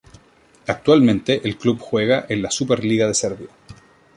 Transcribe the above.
Actualmente el club juega en la Superliga de Serbia.